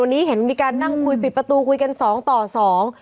วันนี้เห็นมีการนั่งคุยปิดประตูคุยกันสองต่อสอง